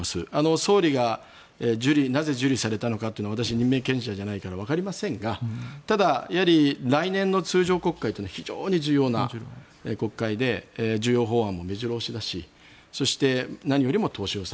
総理がなぜ受理されたのかというのは私は任命権者じゃないのでわかりませんがただ、来年の通常国会というのは非常に重要な国会で重要法案も目白押しだしそして、何よりも当初予算。